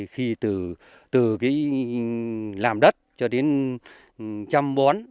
khi từ cái làm đất cho đến chăm bón